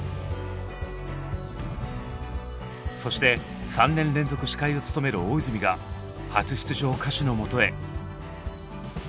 そして３年連続司会を務める大泉が初出場歌手のもとへ！